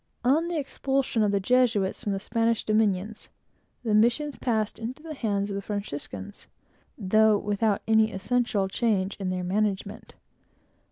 On the expulsion of the Jesuits from the Spanish dominions, the missions passed into the hands of the Franciscans, though without any essential change in their management.